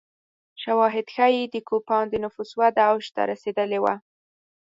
شواهد ښيي د کوپان د نفوس وده اوج ته رسېدلې وه